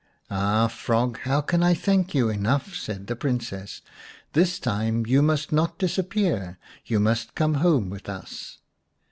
" Ah, frog, how can I thank you enough ?" said the Princess. " This time you must not disappear, you must come home with us."